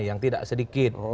yang tidak sedikit